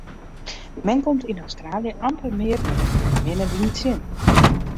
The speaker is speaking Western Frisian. Men komt yn Australië amper mear in minne wyn tsjin.